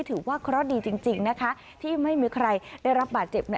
ถือว่าเคราะห์ดีจริงนะคะที่ไม่มีใครได้รับบาดเจ็บ